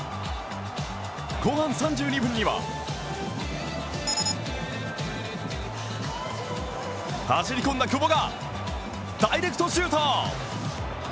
後半３２分には走り込んだ久保がダイレクトシュート。